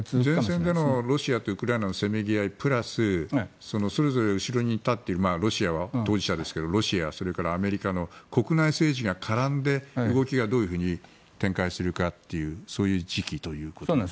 前線でのロシアとウクライナのせめぎ合いプラスそれぞれ後ろに立っているロシアは当事者ですけどロシアそれからアメリカの国内政治が絡んで動きがどういうふうに展開するかという時期ということですか？